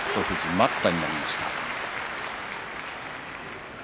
待ったになりました。